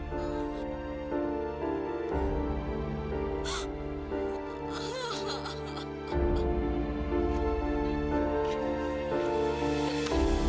kak ica mau kemana